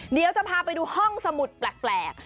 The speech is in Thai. เดี๋ยวจะพาไปดูห้องสมุดแปลก